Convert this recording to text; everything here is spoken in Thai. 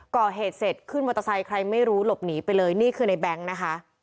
ก่อเหตุเสร็จขึ้นมอเตอร์ไซค์ใครไม่รู้หลบหนีไปเลยนี่คือในแบงค์นะคะ